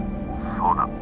「そうだ」。